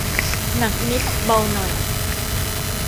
หนักนิดเบาหน่อย